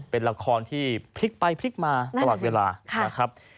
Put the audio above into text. เป็นละครที่พลิกไปพลิกมาตลอดเวลานะครับ